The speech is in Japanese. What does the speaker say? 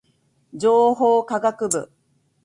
情報科学部